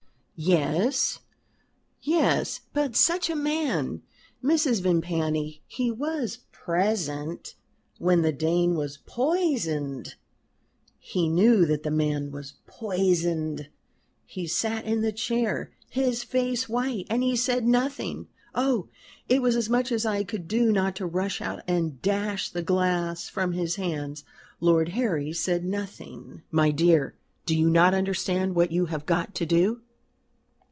"Yes yes but such a man! Mrs. Vimpany, he was present when the Dane was poisoned. He knew that the man was poisoned. He sat in the chair, his face white, and he said nothing. Oh! It was as much as I could do not to rush out and dash the glass from his hands. Lord Harry said nothing." "My dear, do you not understand what you have got to do?"